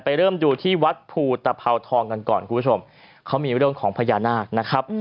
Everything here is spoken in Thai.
เริ่มดูที่วัดภูตภาวทองกันก่อนคุณผู้ชมเขามีเรื่องของพญานาคนะครับ